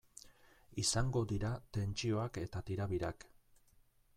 Izango dira tentsioak eta tirabirak.